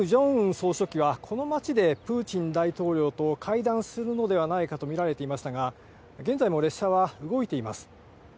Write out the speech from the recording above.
総書記は、この街でプーチン大統領と会談するのではないかと見られていましたが、現在も列車は動いています。